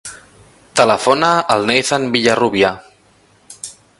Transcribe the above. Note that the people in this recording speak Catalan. Telefona al Nathan Villarrubia.